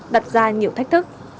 đặt ra nhiều thách thức